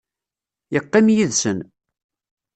Yeqqim yid-sen.